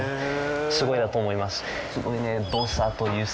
すごいと思います。